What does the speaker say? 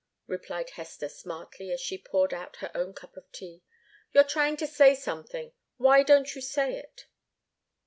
replied Hester, smartly, as she poured out her own cup of tea. "You're trying to say something why don't you say it?"